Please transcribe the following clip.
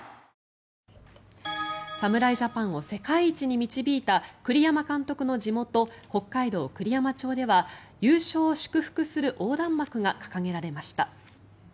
侍ジャパンを世界一に導いた栗山監督の地元北海道栗山町では優勝を祝福する横断幕が掲げられました。